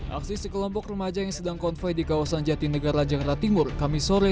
aksi sekelompok remaja yang sedang konvoy di kawasan jatinegara jakarta timur kamisore